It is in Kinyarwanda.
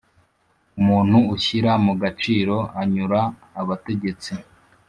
umuntu ushyira mu gaciro anyura abategetsi.